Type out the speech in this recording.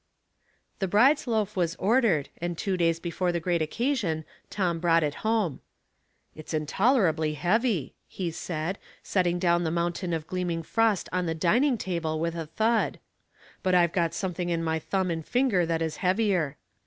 The bride's loaf was ordered, and two days before the great occasion Tom brought it home. " It's intolerably heavy," he said, setting down the mountian of gleaming frost on the dining table with a thud. ''But I've got something in my thumb and finger that is heavier."